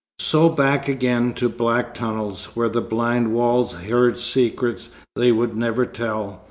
So, back again to black tunnels, where the blind walls heard secrets they would never tell.